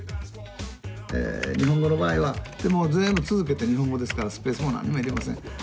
日本語の場合はもう全部続けて日本語ですからスペースも何にも要りません。